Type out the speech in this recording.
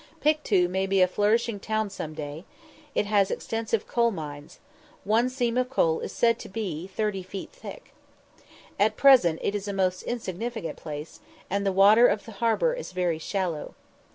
Pictou may be a flourishing town some day: it has extensive coal mines; one seam of coal is said to be thirty feet thick. At present it is a most insignificant place, and the water of the harbour is very shallow.